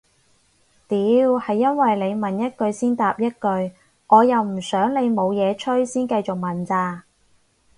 屌係因為你問一句先答一句我又唔想你冇嘢吹先繼續問咋